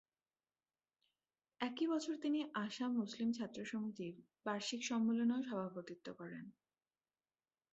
একই বছর তিনি ‘আসাম মুসলিম ছাত্র সমিতি’-র বার্ষিক সম্মেলনেও সভাপতিত্ব করেন।